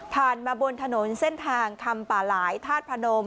มาบนถนนเส้นทางคำป่าหลายธาตุพนม